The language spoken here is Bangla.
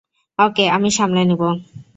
অকে, আমি সামলে নিব।